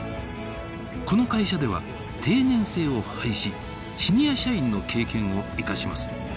この会社ではシニア社員の経験を生かします。